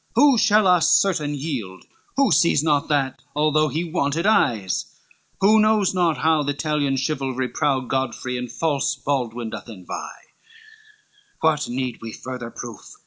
who shall us certain yield? Who sees not that, although he wanted eyes? Who knows not how the Italian chivalry Proud Godfrey and false Baldwin both envy LXVIII "What need we further proof?